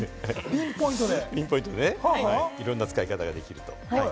ピンポイントで、いろんな使い方ができると。